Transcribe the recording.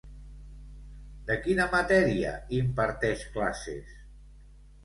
De quina matèria imparteix classes?